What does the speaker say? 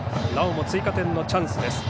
なおも追加点のチャンス。